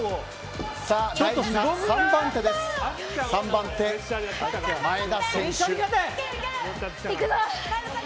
３番手、前田選手。